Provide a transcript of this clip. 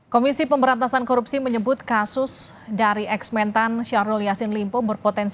komisi pemberantasan korupsi menyebut kasus dari eksmentan syahrul yassin limpo berpotensi